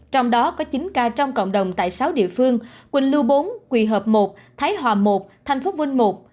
trong đó có chín ca trong cộng đồng tại sáu địa phương quỳnh lưu bốn quỳ hợp một thái hòa một thành phố vinh một